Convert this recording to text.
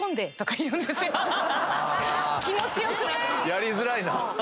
やりづらいな。